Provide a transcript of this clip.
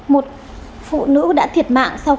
một phụ nữ đã thiệt mạng